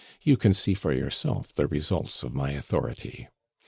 You can see for yourself the results of my authority.